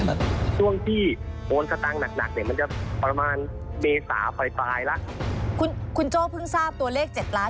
คุณคุณโจ้เพิ่งทราบตัวเลขเจ็ดล้าน